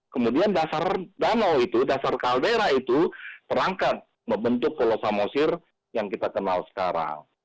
kemudian dasar danau itu dasar kaldera itu terangkat membentuk pulau samosir yang kita kenal sekarang